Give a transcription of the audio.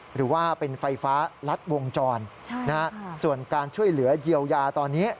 หรือว่าเป็นไฟฟ้ารัดวงจรส่วนการช่วยเหลือเยียวยาตอนนี้